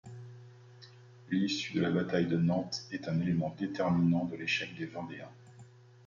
L'issue de la bataille de Nantes est un élément déterminant de l'échec des Vendéens.